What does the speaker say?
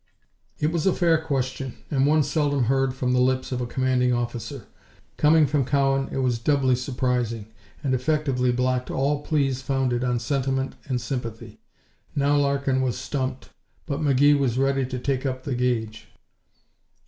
It was a fair question, and one seldom heard from the lips of a commanding officer. Coming from Cowan, it was doubly surprising, and effectively blocked all pleas founded on sentiment and sympathy. Now Larkin was stumped, but McGee was ready to take up the gage.